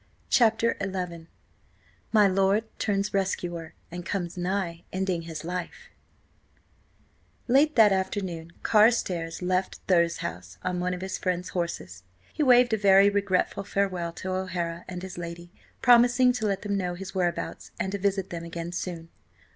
CHAPTER XI MY LORD TURNS RESCUER AND COMES NIGH ENDING HIS LIFE LATE that afternoon Carstares left Thurze House on one of his friend's horses. He waved a very regretful farewell to O'Hara and his lady, promising to let them know his whereabouts and to visit them again soon.